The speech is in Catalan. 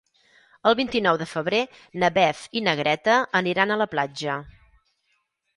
El vint-i-nou de febrer na Beth i na Greta aniran a la platja.